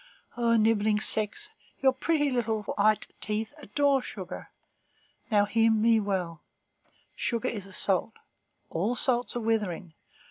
O nibbling sex, your pretty little white teeth adore sugar. Now, heed me well, sugar is a salt. All salts are withering.